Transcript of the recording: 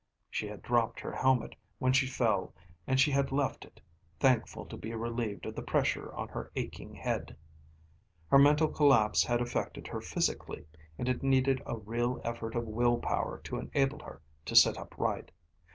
She had dropped her helmet when she fell and she had left it, thankful to be relieved of the pressure on her aching head. Her mental collapse had affected her physically, and it needed a real effort of will power to enable her to sit up right.